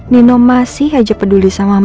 nino masih aja peduli sama mbak andi